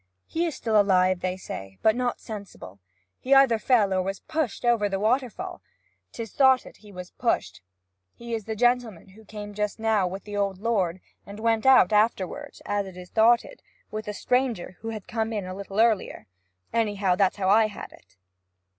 'He is still alive, they say, but not sensible. He either fell or was pushed over the waterfall; 'tis thoughted he was pushed. He is the gentleman who came here just now with the old lord, and went out afterward (as is thoughted) with a stranger who had come a little earlier. Anyhow, that's as I had it.'